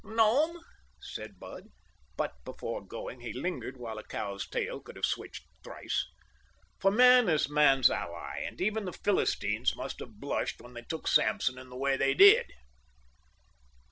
"No, m'm," said Bud. But before going he lingered while a cow's tail could have switched thrice; for man is man's ally; and even the Philistines must have blushed when they took Samson in the way they did.